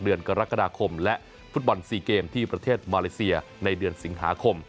เดือนกรกฎาคมและฟุตบอล๔เกมที่ประเทศมาเลเซียในเดือนสิงหาคม